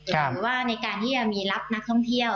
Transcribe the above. หรือว่าในการที่จะมีรับนักท่องเที่ยว